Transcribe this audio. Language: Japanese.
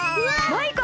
マイカ！